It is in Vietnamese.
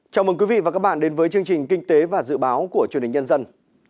chào mừng quý vị và các bạn đến với chương trình kinh tế và dự báo của truyền hình nhân dân